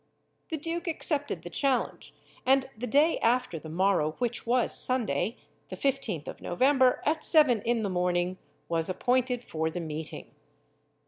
The duke accepted the challenge, and the day after the morrow, which was Sunday, the 15th of November, at seven in the morning, was appointed for the meeting.